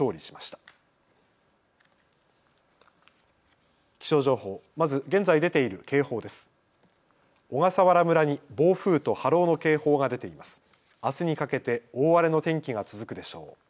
あすにかけて大荒れの天気が続くでしょう。